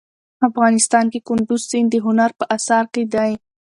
افغانستان کې کندز سیند د هنر په اثار کې دی.